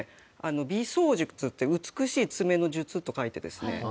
美爪術って美しい爪の術と書いてですね